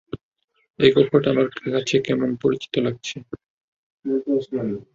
এই কক্ষটা আমার কাছে কেমন পরিচিত লাগছে!